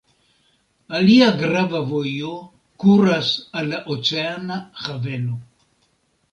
Alia grava vojo kuras al la oceana haveno.